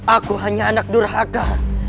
aku hanya anak durhaka